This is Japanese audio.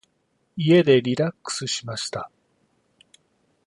家でリラックスしました。